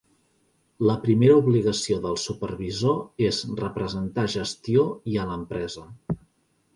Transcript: La primera obligació del supervisor és representar gestió i a l'empresa.